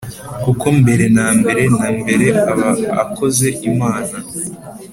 kuko mbere na mbere na mbere aba akoze imana